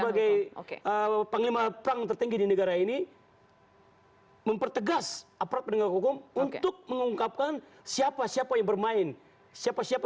namun solusi yang terbaik dalam nista pens crime tertinggi di negara ini mempertegas aparat penegak hukum untuk mengungkapkan siapa siapa yang bermain di balik isu rasialis di jawa timur di papua